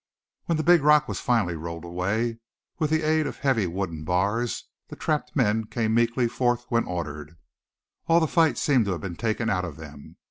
When the big rock was finally rolled away, with the aid of heavy wooden bars, the trapped men came meekly forth when ordered. All the fight seemed to have been taken out of them.